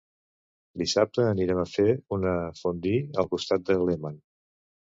Dissabte anirem a fer una fondue al costat del Léman.